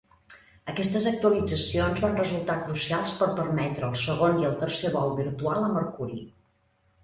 Aquestes actualitzacions van resultar crucials per permetre el segon i el tercer vol virtual a Mercuri.